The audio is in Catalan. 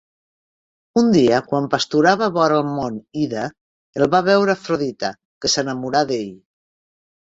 Un dia, quan pasturava vora el mont Ida, el va veure Afrodita, que s'enamorà d'ell.